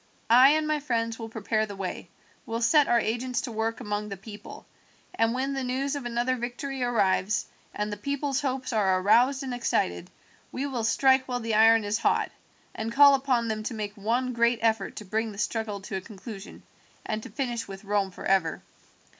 I and my friends will prepare the way, will set our agents to work among the people, and when the news of another victory arrives and the people's hopes are aroused and excited, we will strike while the iron is hot, and call upon them to make one great effort to bring the struggle to a conclusion and to finish with Rome forever.